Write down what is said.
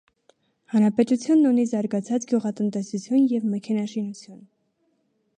Հանրապետությունն ունի զարգացած գյուղատնտեսություն և մեքենաշինություն։